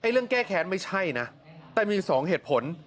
เรื่องแก้แค้นไม่ใช่นะแต่มี๒เหตุผล